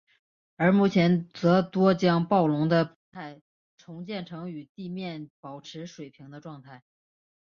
而目前则多将暴龙的步态重建成与地面保持水平的状态。